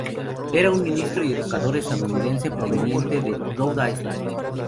Era un ministro y educador estadounidense proveniente de Rhode Island.